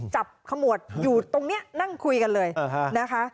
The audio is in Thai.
ขมวดอยู่ตรงนี้นั่งคุยกันเลยนะคะ